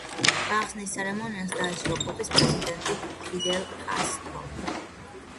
გახსნის ცერემონიას დაესწრო კუბის პრეზიდენტი ფიდელ კასტრო.